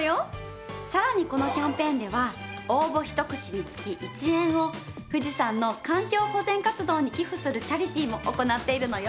さらにこのキャンペーンでは応募１口につき１円を富士山の環境保全活動に寄付するチャリティも行っているのよ。